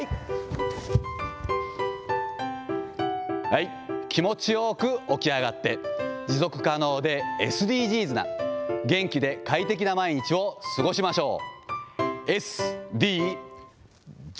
はい、気持ちよく起き上がって、持続可能でＳＤＧｓな、元気で快適な毎日を過ごしましょう。